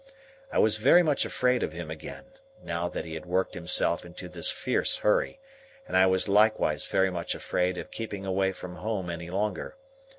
I was very much afraid of him again, now that he had worked himself into this fierce hurry, and I was likewise very much afraid of keeping away from home any longer.